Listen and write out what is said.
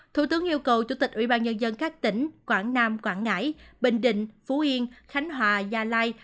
thủ tướng yêu cầu chủ tịch ủy ban nhân dân các tỉnh quảng nam quảng ngãi bình định phú yên khánh hòa gia lai